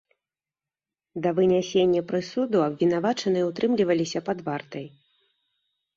Да вынясення прысуду абвінавачаныя ўтрымліваліся пад вартай.